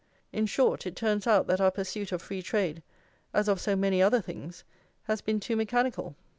In short, it turns out that our pursuit of free trade, as of so many other things, has been too mechanical.